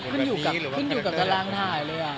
ขึ้นอยู่กับกำลังถ่ายเลย